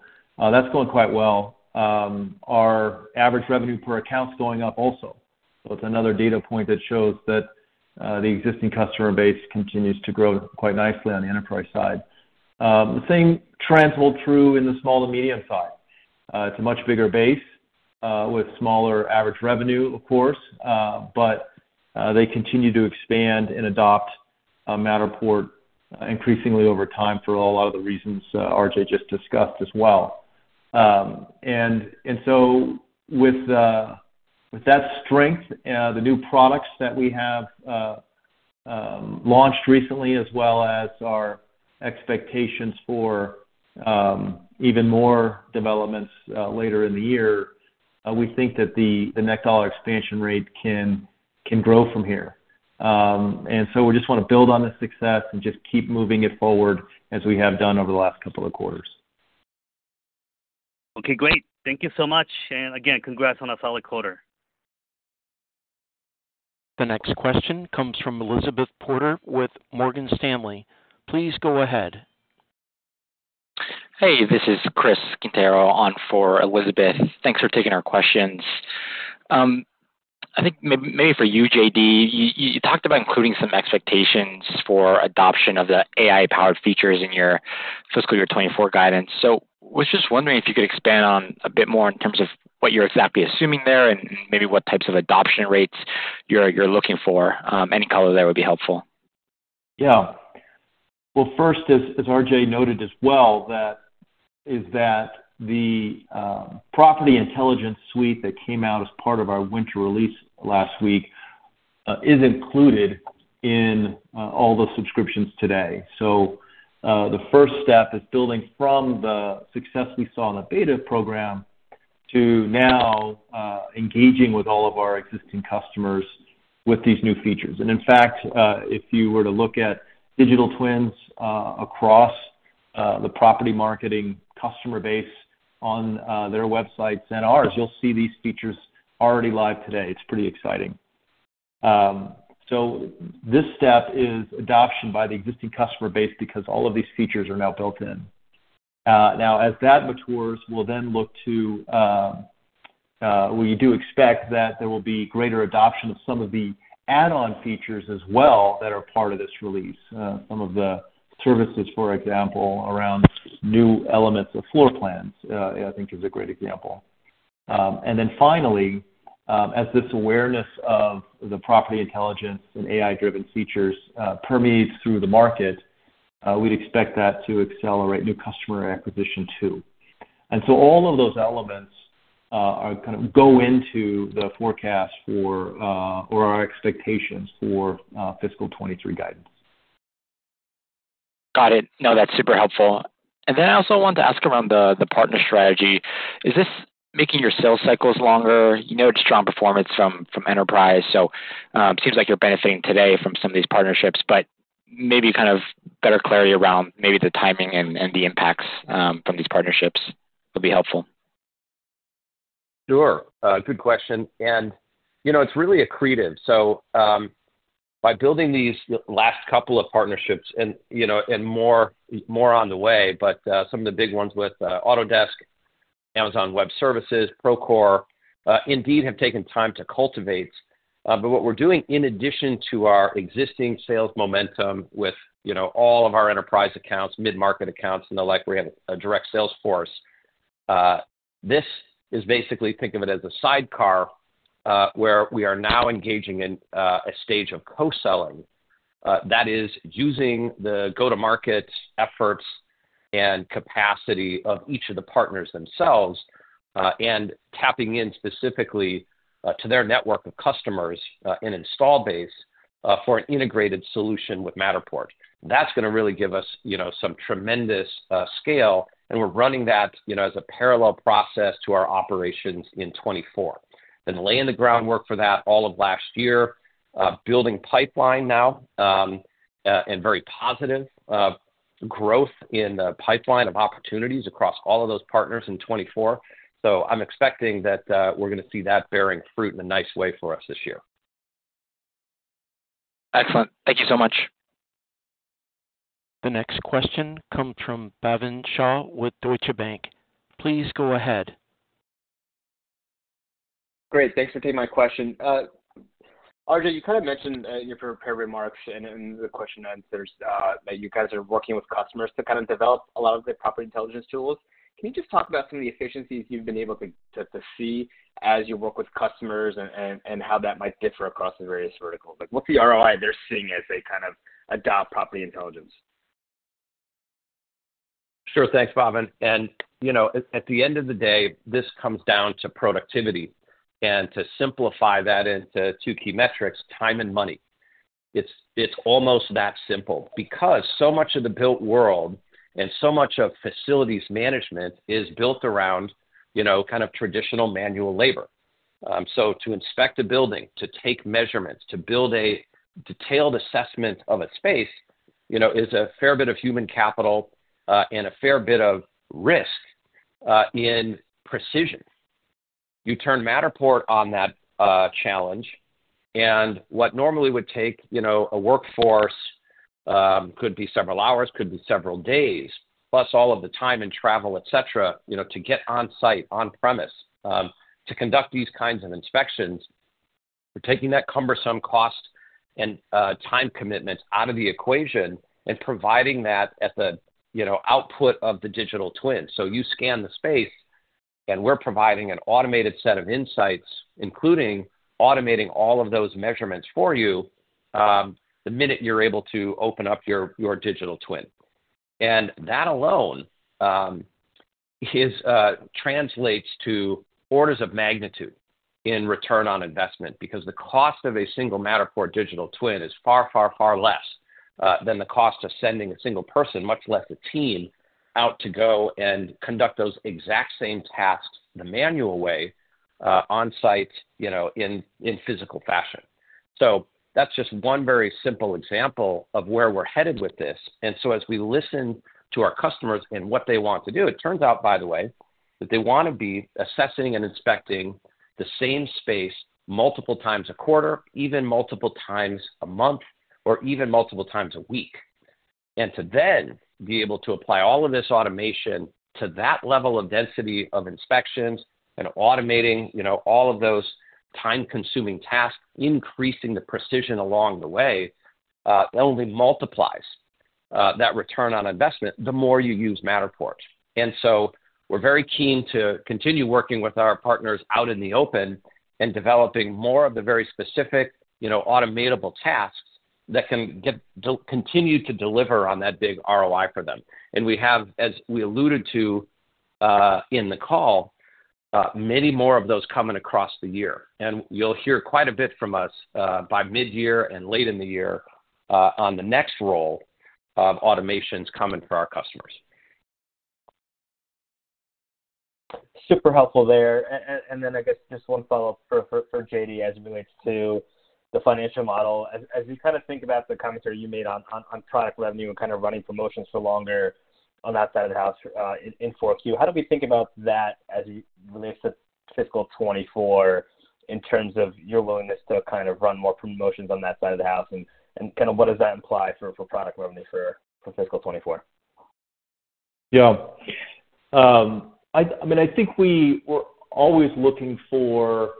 that's going quite well. Our average revenue per account's going up also. It's another data point that shows that the existing customer base continues to grow quite nicely on the enterprise side. The same trend holds true in the small to medium side. It's a much bigger base with smaller average revenue, of course, but they continue to expand and adopt Matterport increasingly over time for a lot of the reasons RJ just discussed as well. And so with that strength, the new products that we have launched recently, as well as our expectations for even more developments later in the year, we think that the net dollar expansion rate can grow from here. And so we just want to build on this success and just keep moving it forward as we have done over the last couple of quarters. Okay, great. Thank you so much. And again, congrats on a solid quarter. The next question comes from Elizabeth Porter with Morgan Stanley. Please go ahead. Hey, this is Chris Quintero on for Elizabeth. Thanks for taking our questions. I think maybe for you, J.D., you talked about including some expectations for adoption of the AI-powered features in your fiscal year 2024 guidance. So I was just wondering if you could expand on a bit more in terms of what you're exactly assuming there and maybe what types of adoption rates you're looking for. Any color there would be helpful. Yeah. Well, first, as RJ noted as well, is that the Property Intelligence suite that came out as part of our winter release last week is included in all the subscriptions today. So the first step is building from the success we saw in the beta program to now engaging with all of our existing customers with these new features. And in fact, if you were to look at digital twins across the property marketing customer base on their websites and ours, you'll see these features already live today. It's pretty exciting. So this step is adoption by the existing customer base because all of these features are now built in. Now, as that matures, we do expect that there will be greater adoption of some of the add-on features as well that are part of this release, some of the services, for example, around new elements of floor plans, I think, is a great example. And then finally, as this awareness of the Property Intelligence and AI-driven features permeates through the market, we'd expect that to accelerate new customer acquisition too. And so all of those elements kind of go into the forecast or our expectations for fiscal 2023 guidance. Got it. No, that's super helpful. And then I also want to ask around the partner strategy. Is this making your sales cycles longer? You noted strong performance from enterprise, so it seems like you're benefiting today from some of these partnerships. But maybe kind of better clarity around maybe the timing and the impacts from these partnerships would be helpful. Sure. Good question. And it's really accretive. So by building these last couple of partnerships and more on the way, but some of the big ones with Autodesk, Amazon Web Services, Procore, indeed have taken time to cultivate. But what we're doing, in addition to our existing sales momentum with all of our enterprise accounts, mid-market accounts, and the like, where we have a direct sales force, this is basically think of it as a sidecar where we are now engaging in a stage of co-selling. That is using the go-to-market efforts and capacity of each of the partners themselves and tapping in specifically to their network of customers and install base for an integrated solution with Matterport. That's going to really give us some tremendous scale. And we're running that as a parallel process to our operations in 2024. Laying the groundwork for that all of last year, building pipeline now, and very positive growth in the pipeline of opportunities across all of those partners in 2024. I'm expecting that we're going to see that bearing fruit in a nice way for us this year. Excellent. Thank you so much. The next question comes from Bhavin Shah with Deutsche Bank. Please go ahead. Great. Thanks for taking my question. RJ, you kind of mentioned in your prepared remarks and in the question answers that you guys are working with customers to kind of develop a lot of the Property Intelligence tools. Can you just talk about some of the efficiencies you've been able to see as you work with customers and how that might differ across the various verticals? What's the ROI they're seeing as they kind of adopt Property Intelligence? Sure. Thanks, Bhavin. At the end of the day, this comes down to productivity. To simplify that into two key metrics, time and money. It's almost that simple because so much of the built world and so much of facilities management is built around kind of traditional manual labor. So to inspect a building, to take measurements, to build a detailed assessment of a space is a fair bit of human capital and a fair bit of risk in precision. You turn Matterport on that challenge, and what normally would take a workforce could be several hours, could be several days, plus all of the time and travel, etc., to get on-site, on-premise, to conduct these kinds of inspections, we're taking that cumbersome cost and time commitment out of the equation and providing that at the output of the Digital Twin. So you scan the space, and we're providing an automated set of insights, including automating all of those measurements for you the minute you're able to open up your digital twin. And that alone translates to orders of magnitude in return on investment because the cost of a single Matterport digital twin is far, far, far less than the cost of sending a single person, much less a team, out to go and conduct those exact same tasks the manual way on-site in physical fashion. So that's just one very simple example of where we're headed with this. And so as we listen to our customers and what they want to do, it turns out, by the way, that they want to be assessing and inspecting the same space multiple times a quarter, even multiple times a month, or even multiple times a week, and to then be able to apply all of this automation to that level of density of inspections and automating all of those time-consuming tasks, increasing the precision along the way, that only multiplies that return on investment the more you use Matterport. And so we're very keen to continue working with our partners out in the open and developing more of the very specific, automatable tasks that can continue to deliver on that big ROI for them. And we have, as we alluded to in the call, many more of those coming across the year. You'll hear quite a bit from us by mid-year and late in the year on the next role of automations coming for our customers. Super helpful there. Then I guess just one follow-up for J.D. as it relates to the financial model. As you kind of think about the commentary you made on product revenue and kind of running promotions for longer on that side of the house in Q4, how do we think about that as it relates to fiscal 2024 in terms of your willingness to kind of run more promotions on that side of the house? And kind of what does that imply for product revenue for fiscal 2024? Yeah. I mean, I think we're always looking for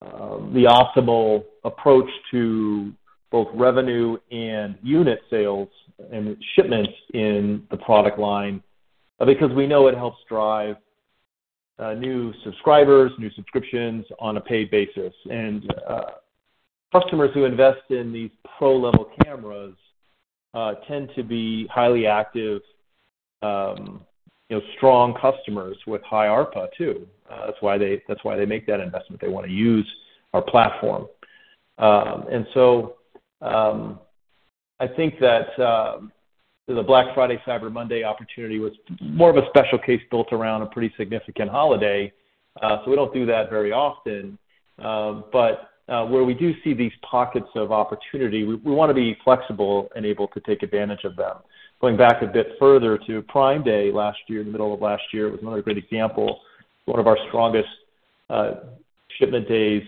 the optimal approach to both revenue and unit sales. and shipments in the product line because we know it helps drive new subscribers, new subscriptions on a paid basis. And customers who invest in these pro-level cameras tend to be highly active, strong customers with high ARPA too. That's why they make that investment. They want to use our platform. And so I think that the Black Friday, Cyber Monday opportunity was more of a special case built around a pretty significant holiday. So we don't do that very often. But where we do see these pockets of opportunity, we want to be flexible and able to take advantage of them. Going back a bit further to Prime Day last year, in the middle of last year, it was another great example, one of our strongest shipment days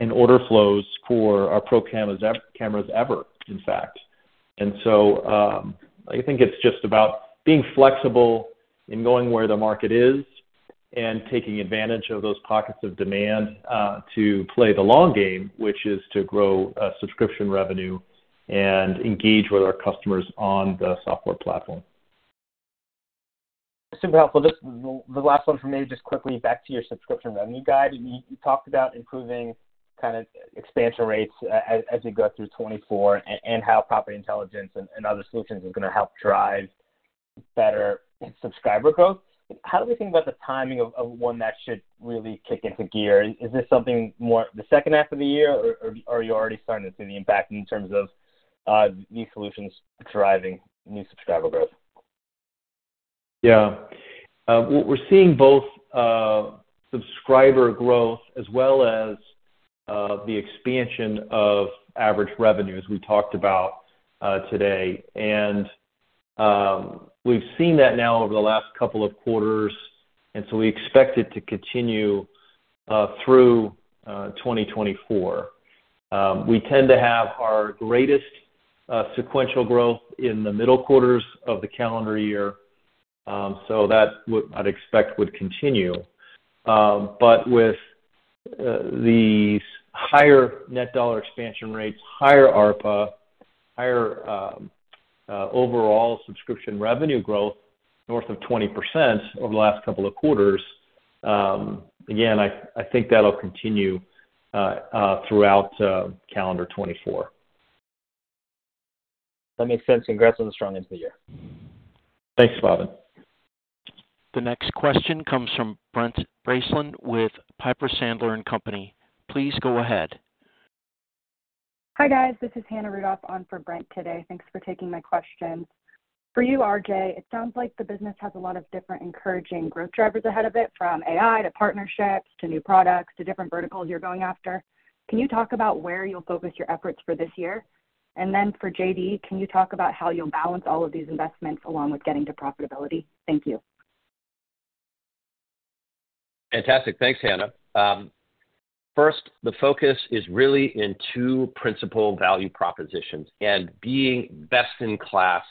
and order flows for our pro cameras ever, in fact. And so I think it's just about being flexible in going where the market is and taking advantage of those pockets of demand to play the long game, which is to grow subscription revenue and engage with our customers on the software platform. Super helpful. The last one from me, just quickly back to your subscription revenue guide. You talked about improving kind of expansion rates as we go through 2024 and how Property Intelligence and other solutions is going to help drive better subscriber growth. How do we think about the timing of one that should really kick into gear? Is this something more the second half of the year, or are you already starting to see the impact in terms of these solutions driving new subscriber growth? Yeah. We're seeing both subscriber growth as well as the expansion of average revenue as we talked about today. We've seen that now over the last couple of quarters. So we expect it to continue through 2024. We tend to have our greatest sequential growth in the middle quarters of the calendar year. So that, I'd expect, would continue. But with these higher net dollar expansion rates, higher ARPA, higher overall subscription revenue growth north of 20% over the last couple of quarters, again, I think that'll continue throughout calendar 2024. That makes sense. Congrats on the strong end of the year. Thanks, Bhavin. The next question comes from Brent Bracelin with Piper Sandler and Company. Please go ahead. Hi, guys. This is Hannah Rudoff on for Brent today. Thanks for taking my questions. For you, RJ, it sounds like the business has a lot of different encouraging growth drivers ahead of it, from AI to partnerships to new products to different verticals you're going after. Can you talk about where you'll focus your efforts for this year? And then for J.D., can you talk about how you'll balance all of these investments along with getting to profitability? Thank you. Fantastic. Thanks, Hannah. First, the focus is really in two principal value propositions and being best-in-class,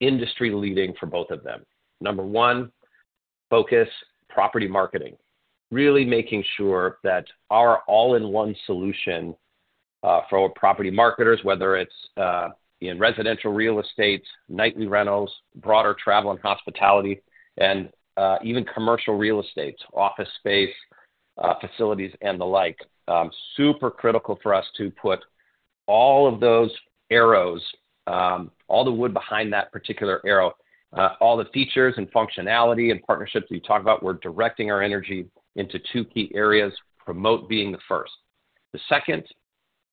industry-leading for both of them. Number one, focus, property marketing, really making sure that our all-in-one solution for our property marketers, whether it's in residential real estate, nightly rentals, broader travel and hospitality, and even commercial real estate, office space, facilities, and the like, super critical for us to put all of those arrows, all the wood behind that particular arrow, all the features and functionality and partnerships that you talk about, we're directing our energy into two key areas, promote being the first. The second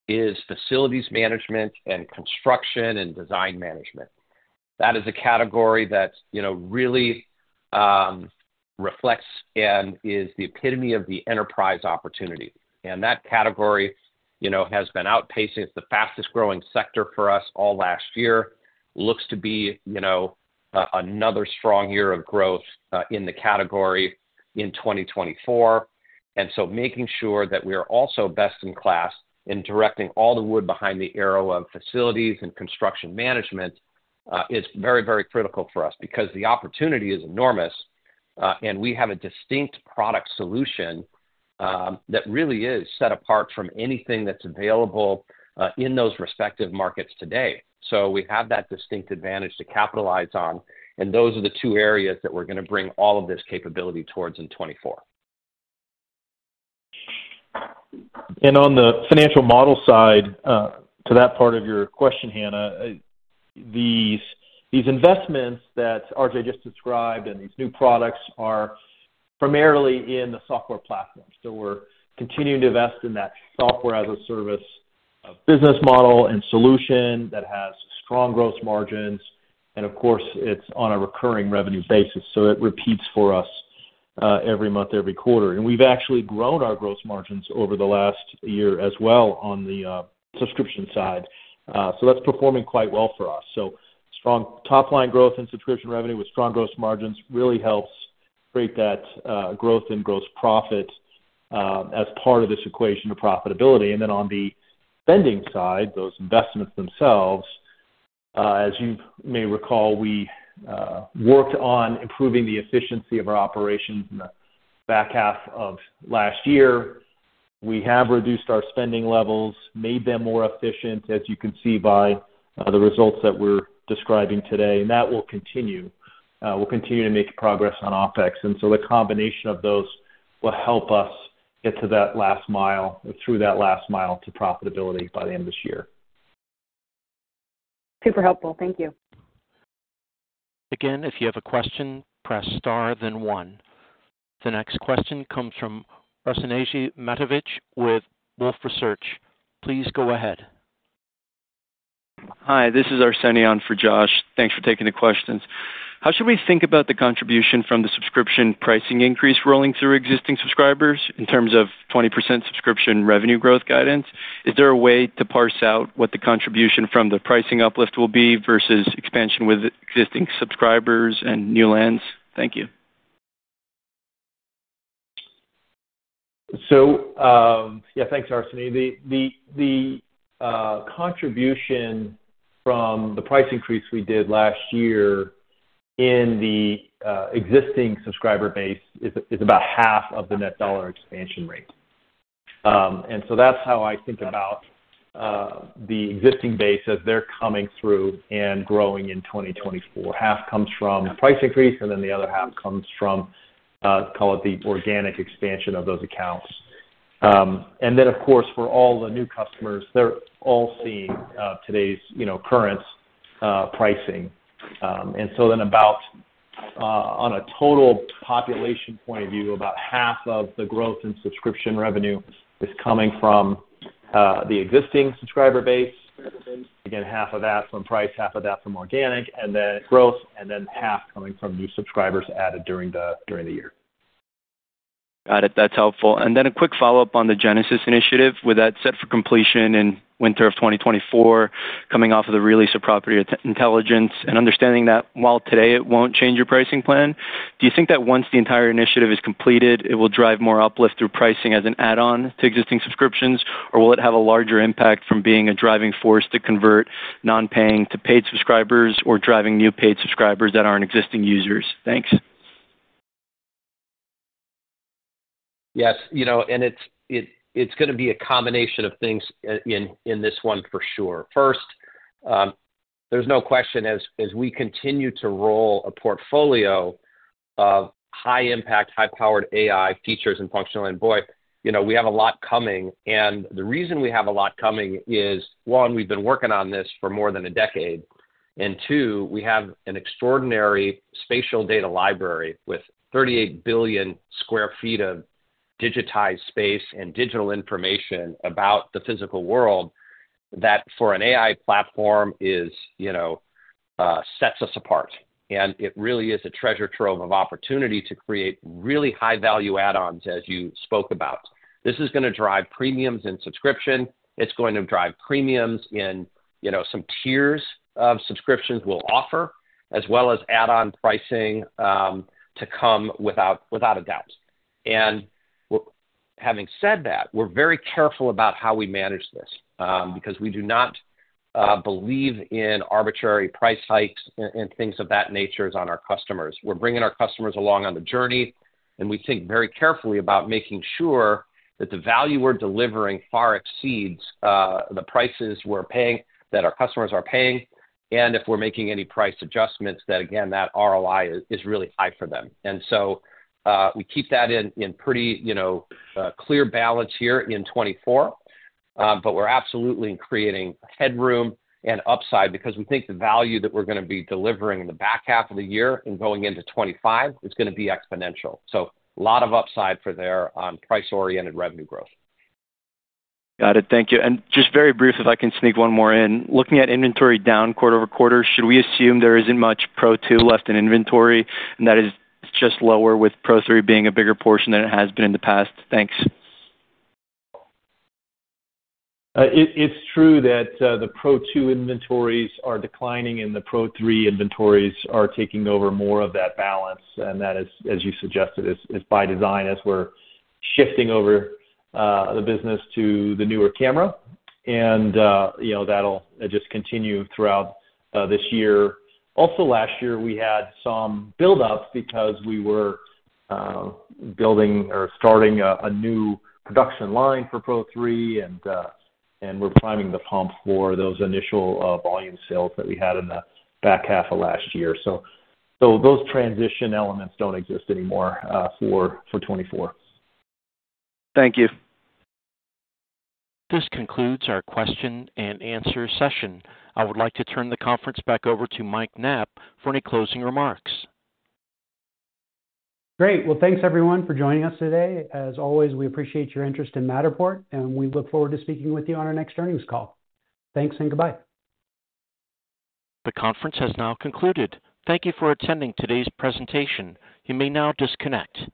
is facilities management and construction and design management. That is a category that really reflects and is the epitome of the enterprise opportunity. That category has been outpacing. It's the fastest-growing sector for us all last year. Looks to be another strong year of growth in the category in 2024. And so making sure that we are also best-in-class in directing all the wood behind the arrow of facilities and construction management is very, very critical for us because the opportunity is enormous. And we have a distinct product solution that really is set apart from anything that's available in those respective markets today. So we have that distinct advantage to capitalize on. And those are the two areas that we're going to bring all of this capability towards in 2024. On the financial model side, to that part of your question, Hannah, these investments that RJ just described and these new products are primarily in the software platform. We're continuing to invest in that software-as-a-service business model and solution that has strong gross margins. Of course, it's on a recurring revenue basis. It repeats for us every month, every quarter. We've actually grown our gross margins over the last year as well on the subscription side. That's performing quite well for us. Strong top-line growth and subscription revenue with strong gross margins really helps create that growth and gross profit as part of this equation of profitability. Then on the spending side, those investments themselves, as you may recall, we worked on improving the efficiency of our operations in the back half of last year. We have reduced our spending levels, made them more efficient, as you can see by the results that we're describing today. That will continue. We'll continue to make progress on OpEx. So the combination of those will help us get to that last mile, through that last mile to profitability by the end of this year. Super helpful. Thank you. Again, if you have a question, press star, then one. The next question comes from Arsenije Matovic with Wolfe Research. Please go ahead. Hi. This is Arsenije for Josh. Thanks for taking the questions. How should we think about the contribution from the subscription pricing increase rolling through existing subscribers in terms of 20% subscription revenue growth guidance? Is there a way to parse out what the contribution from the pricing uplift will be versus expansion with existing subscribers and new lands? Thank you. So yeah, thanks, Arsenije. The contribution from the price increase we did last year in the existing subscriber base is about half of the Net Dollar Expansion Rate. And so that's how I think about the existing base as they're coming through and growing in 2024. Half comes from price increase, and then the other half comes from, call it, the organic expansion of those accounts. And then, of course, for all the new customers, they're all seeing today's current pricing. And so then on a total population point of view, about half of the growth in subscription revenue is coming from the existing subscriber base. Again, half of that from price, half of that from organic, and then growth, and then half coming from new subscribers added during the year. Got it. That's helpful. And then a quick follow-up on the Genesis initiative. With that set for completion in winter of 2024, coming off of the release of Property Intelligence and understanding that while today it won't change your pricing plan, do you think that once the entire initiative is completed, it will drive more uplift through pricing as an add-on to existing subscriptions, or will it have a larger impact from being a driving force to convert non-paying to paid subscribers or driving new paid subscribers that aren't existing users? Thanks. Yes. And it's going to be a combination of things in this one, for sure. First, there's no question, as we continue to roll a portfolio of high-impact, high-powered AI features and functionality and boy, we have a lot coming. And the reason we have a lot coming is, one, we've been working on this for more than a decade. And two, we have an extraordinary spatial data library with 38 billion sq ft of digitized space and digital information about the physical world that, for an AI platform, sets us apart. And it really is a treasure trove of opportunity to create really high-value add-ons, as you spoke about. This is going to drive premiums in subscription. It's going to drive premiums in some tiers of subscriptions we'll offer, as well as add-on pricing to come, without a doubt. Having said that, we're very careful about how we manage this because we do not believe in arbitrary price hikes and things of that nature on our customers. We're bringing our customers along on the journey, and we think very carefully about making sure that the value we're delivering far exceeds the prices that our customers are paying. If we're making any price adjustments, that, again, that ROI is really high for them. We keep that in pretty clear balance here in 2024. We're absolutely creating headroom and upside because we think the value that we're going to be delivering in the back half of the year and going into 2025 is going to be exponential. A lot of upside for their price-oriented revenue growth. Got it. Thank you. Just very brief, if I can sneak one more in, looking at inventory down quarter-over-quarter, should we assume there isn't much Pro2 left in inventory, and that is just lower with Pro3 being a bigger portion than it has been in the past? Thanks. It's true that the Pro2 inventories are declining, and the Pro3 inventories are taking over more of that balance. And that is, as you suggested, by design, as we're shifting over the business to the newer camera. And that'll just continue throughout this year. Also, last year, we had some buildup because we were building or starting a new production line for Pro3, and we're priming the pump for those initial volume sales that we had in the back half of last year. So those transition elements don't exist anymore for 2024. Thank you. This concludes our question and answer session. I would like to turn the conference back over to Mike Knapp for any closing remarks. Great. Well, thanks, everyone, for joining us today. As always, we appreciate your interest in Matterport, and we look forward to speaking with you on our next earnings call. Thanks and goodbye. The conference has now concluded. Thank you for attending today's presentation. You may now disconnect.